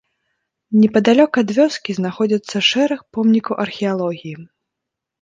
Непадалёк ад вёскі знаходзяцца шэраг помнікаў археалогіі.